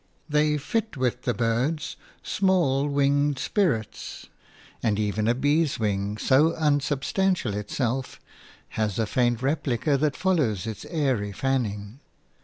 They ifit with the birds, small winged spirits, and even a bee's wing, so unsubstantial itself, has a faint replica that follows its airy fanning.